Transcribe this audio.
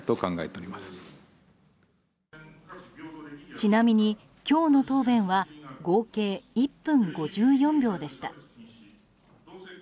ちなみに今日の答弁は合計１分５４秒でした。